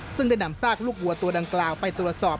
ซึ่งได้นำซากลูกวัวตัวดังกล่าวไปตรวจสอบ